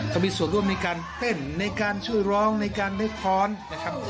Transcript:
ก็มีส่วนร่วมในการเต้นในการช่วยร้องในการนึกค้อนนะครับ